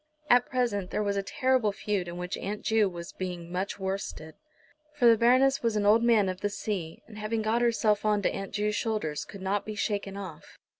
At present there was a terrible feud in which Aunt Ju was being much worsted. For the Baroness was an old Man of the Sea, and having got herself on to Aunt Ju's shoulders could not be shaken off.